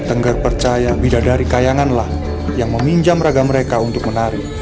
tengger percaya bidadari kayanganlah yang meminjam ragam mereka untuk menari